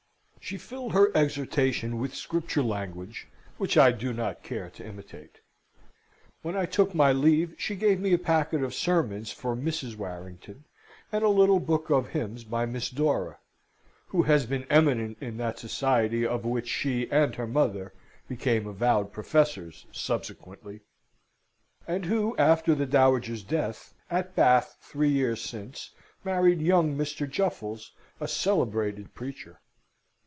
She filled her exhortation with Scripture language, which I do not care to imitate. When I took my leave she gave me a packet of sermons for Mrs. Warrington, and a little book of hymns by Miss Dora, who has been eminent in that society of which she and her mother became avowed professors subsequently, and who, after the dowager's death, at Bath, three years since, married young Mr. Juffles, a celebrated preacher.